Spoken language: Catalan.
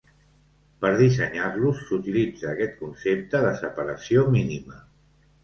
Per dissenyar-los, s’utilitza aquest concepte de separació mínima.